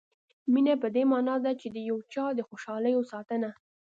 مینه په دې معنا ده چې د یو چا د خوشالیو ساتنه.